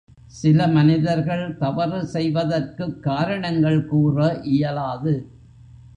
சில மனிதர்கள் தவறு செய்வதற்குக் காரணங்கள் கூற இயலாது.